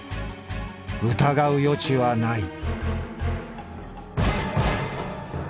疑う余地はない」。